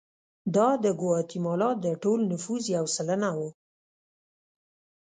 دا د ګواتیمالا د ټول نفوس یو سلنه وو.